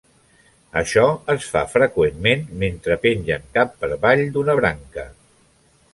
Això es fa freqüentment mentre pengen cap per avall d'una branca.